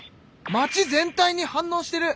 町全体に反応してる！